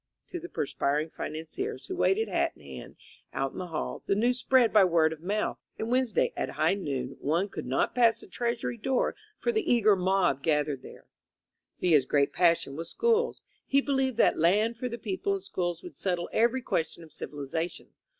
To the perspiring financiers who waited hat in hand 126 A PEON IN POLITICS out In the hall, the news spread by word of mouth ; and Wednesday at high noon one could not pass the Treas ury door for the eager mob gathered there^ Villa's great passion was schools. He believed that land for the people and schools would settle every ques tion of civilization.